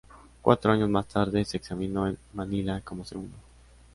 Cuatro años más tarde se examinó en Manila como segundo.